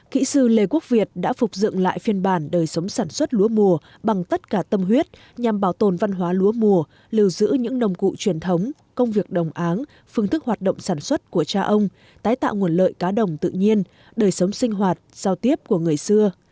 kỹ sư lê quốc việt đã phục dựng lại phiên bản đời sống sản xuất lúa mùa bằng tất cả tâm huyết nhằm bảo tồn văn hóa lúa mùa lưu giữ những nồng cụ truyền thống công việc đồng áng phương thức hoạt động sản xuất của cha ông tái tạo nguồn lợi cá đồng tự nhiên đời sống sinh hoạt giao tiếp của người xưa